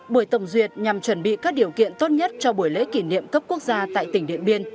buổi tổng duyệt nhằm chuẩn bị các điều kiện tốt nhất cho buổi lễ kỷ niệm cấp quốc gia tại tỉnh điện biên